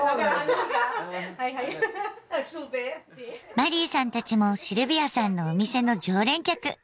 マリーさんたちもシルビアさんのお店の常連客。